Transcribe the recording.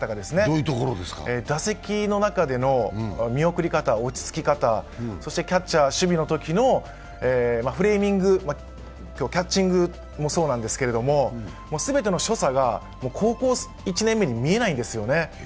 打席の中での見送り方、落ち着き方そしてキャッチャー、守備のときにフレーミング、キャッチングもそうなんですけれども、全ての所作が高校１年目に見えないんですよね。